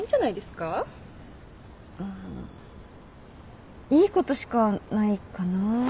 あいいことしかないかな。